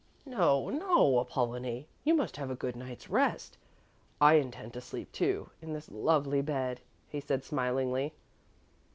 "No, no, Apollonie! You must have a good night's rest; I intend to sleep, too, in this lovely bed," he said smilingly.